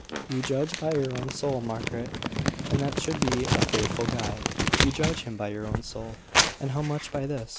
"You judge by your own soul, Margaret; and that should be a faithful guide. You judge him by your own soul, and how much by this?"